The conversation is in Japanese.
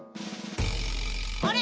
あれ？